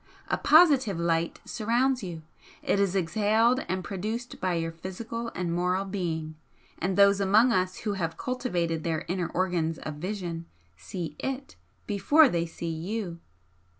A positive 'light' surrounds you it is exhaled and produced by your physical and moral being, and those among us who have cultivated their inner organs of vision see IT before they see YOU.